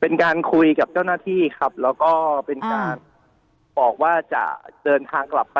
เป็นการคุยกับเจ้าหน้าที่ครับแล้วก็เป็นการบอกว่าจะเดินทางกลับไป